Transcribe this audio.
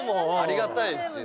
ありがたいですよ。